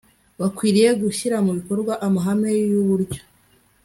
Bakwiriye gushyira mu bikorwa amahame yuburyo